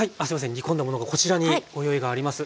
煮込んだものがこちらにご用意があります。